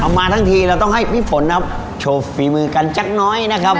มาทั้งทีเราต้องให้พี่ฝนนะครับโชว์ฝีมือกันจักน้อยนะครับ